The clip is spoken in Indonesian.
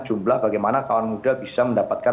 jumlah bagaimana kawan muda bisa mendapatkan